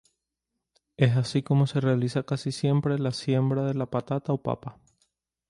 Es así como se realiza casi siempre la siembra de la patata o papa.